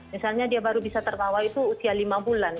misalnya dia baru bisa tertawa itu usia lima bulan